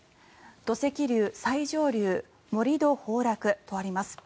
土石流、最上流盛り土崩落とあります。